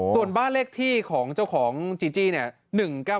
ส่วนบ้านเลขที่ของเจ้าของจีจี้เนี่ย